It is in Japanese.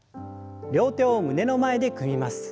両手を胸の前で組みます。